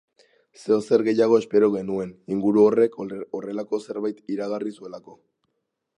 Zeozer gehiago espero genuen, inguru horrek horrelako zerbait iragarri zuelako.